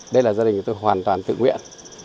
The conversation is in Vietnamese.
đây là gia đình tôi hoàn toàn tự nguyện